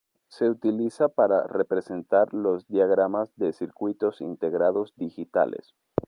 Se utiliza para representar los diagramas de circuitos integrados digitales.